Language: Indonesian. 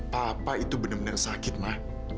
papa itu benar benar sakit mah